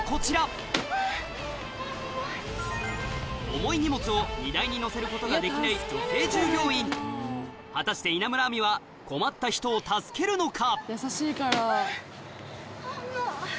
重い荷物を荷台に載せることができない女性従業員果たして稲村亜美は困った人を助けるのか？